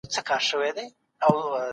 سوله د خلګو لخوا ساتل کېږي.